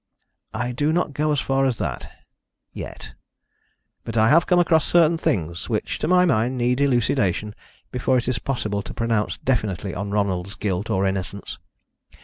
"I do not go as far as that yet. But I have come across certain things which, to my mind, need elucidation before it is possible to pronounce definitely on Ronald's guilt or innocence.